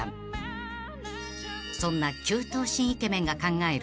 ［そんな９頭身イケメンが考える